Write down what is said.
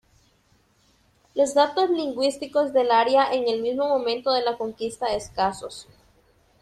Los datos lingüísticos del área en el mismo momento de la conquista escasos.